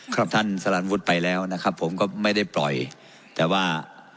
ท่านสลันวุฒิไปแล้วนะครับผมก็ไม่ได้ปล่อยแต่ว่า